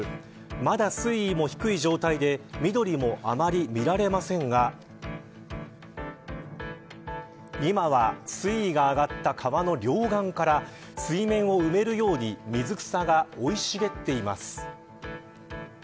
まだ水位も低い状態で緑もあまり見られませんが今は、水位が上がった川の両岸から水面を埋めるように水草が生い茂っています。